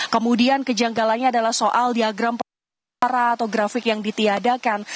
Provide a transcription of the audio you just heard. kemudian kejanggalannya adalah soal diagram perkara atau grafik yang ditiadakan